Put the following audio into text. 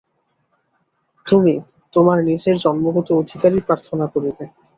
তুমি তোমার নিজের জন্মগত অধিকারই প্রার্থনা করিবে।